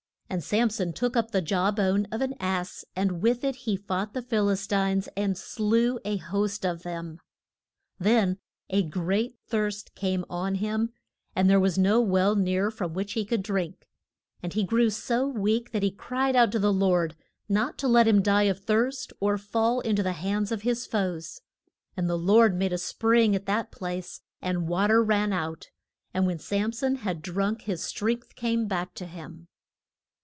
And Sam son took up the jaw bone of an ass, and with it he fought the Phil is tines and slew a host of them. [Illustration: SAM SON SLAY ING THE PHIL IS TINES.] Then a great thirst came on him, and there was no well near from which he could drink. And he grew so weak that he cried out to the Lord not to let him die of thirst or fall in to the hands of his foes. And the Lord made a spring at that place and wa ter ran out, and when Sam son had drunk, his strength came back to him.